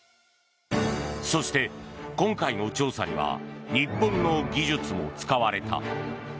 そして、今回の調査には日本の技術も使われた。